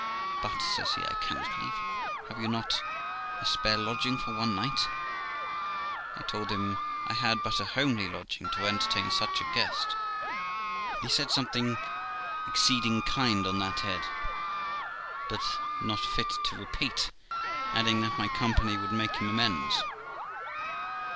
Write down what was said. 'But', says he, 'I cannot leave you; have you not a spare lodging for one night?' I told him I had but a homely lodging to entertain such a guest. He said something exceeding kind on that head, but not fit to repeat, adding that my company would make him amends.